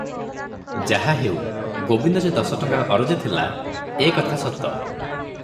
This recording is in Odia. ଯାହାହେଉ, ଗୋବିନ୍ଦ ଯେ ଦଶଟଙ୍କା ଅରଜିଥିଲା, ଏ କଥା ସତ ।